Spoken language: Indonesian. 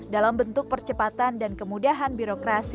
dalam bentuk percepatan dan kemudahan birokrasi